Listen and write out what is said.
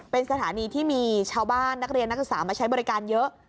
เป็นสถานีที่มีชาวบ้านนักเรียนนักศึกษามาใช้บริการเยอะ